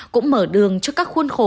cũng mở đường cho các khuôn khổ